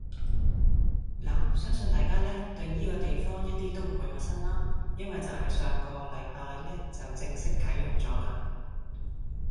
拿相信大家呢，對依個地方一啲都唔會陌生啦，因為就係上個禮拜呢就正式啟用咗啦